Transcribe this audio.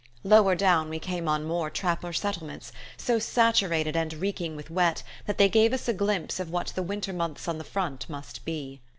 Lower down we came on more "trapper" settlements, so saturated and reeking with wet that they gave us a glimpse of what the winter months on the front must be.